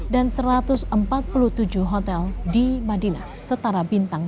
dan satu ratus empat puluh tujuh hotel di madinah setara bintang tiga